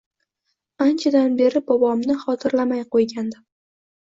Аnchadan beri bobomni xotirlamay qo‘ygandim.